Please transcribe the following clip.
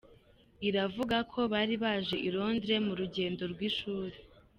Iravuga ko bari baje i Londres mu rugendo rw'ishuri.